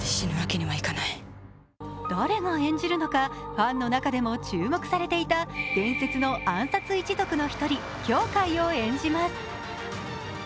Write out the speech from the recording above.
誰が演じるのかファンの中でも注目されていた伝説の暗殺一族の１人、羌カイを演じます。